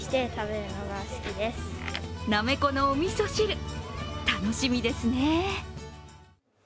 なめこのおみそ汁、楽しみですね。